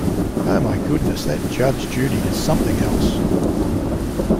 Oh my goodness, that Judge Judy is something else.